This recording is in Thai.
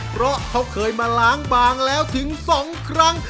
เพราะเขาเคยมาล้างบางแล้วถึง๒ครั้ง